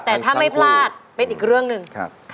แต่ถ้าไม่พลาดเป็นอีกเรื่องหนึ่ง